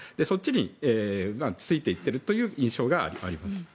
そっちについていっているという印象があります。